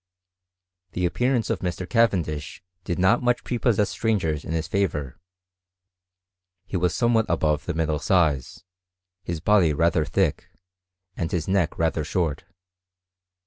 ' The appearance of Mr* Cavendish did not much prepossess strangers in his favour ; he was somewhat above the middle size, his body rather thick) and his neck rather short.